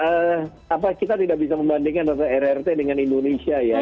saya pikir kita tidak bisa membandingkan rrt dengan indonesia ya